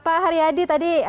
pak haryadi tadi